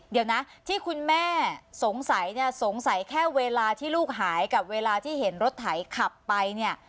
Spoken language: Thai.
เดี๋ยวนะที่คุณแม่สงสัยเนี่ยสงสัยแค่เวลาที่ลูกหายกับเวลาที่เห็นรถไถขับไปเนี่ย